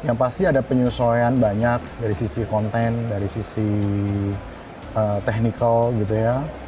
yang pasti ada penyesuaian banyak dari sisi konten dari sisi technical gitu ya